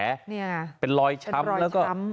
มีภาพจากกล้อมรอบหมาของเพื่อนบ้าน